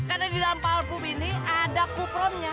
karena di dalam parfum ini ada kupromnya